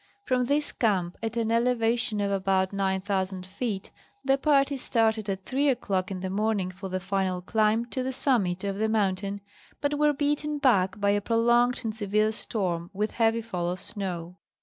Krom this camp, at an elevation of about 9,000 feet, the party started at 3 o'clock in the morning for the final climb to the summit of the moun tain, but were beaten back by a prolonged and severe storm with heavy fall of snow.